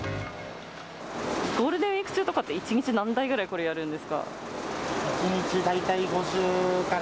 ゴールデンウィーク中とかって、１日何台ぐらいこれやるんですか？